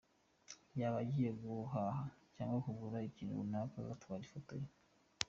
Yaba agiye guhaha cyangwa kugura ikintu runaka, atwara ifoto ye.